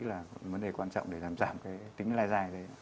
là vấn đề quan trọng để giảm giảm cái tính lai dài